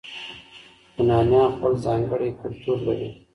یونانیان خپل ځانګړی کلتور لري.